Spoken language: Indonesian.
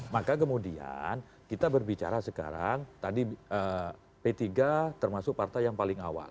maka kemudian kita berbicara sekarang tadi p tiga termasuk partai yang paling awal